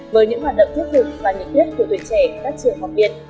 với những hoạt động thiết thực và nhiệt huyết của tuổi trẻ các trường học viện